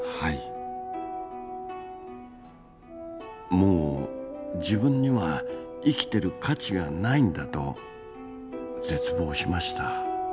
もう自分には生きてる価値がないんだと絶望しました。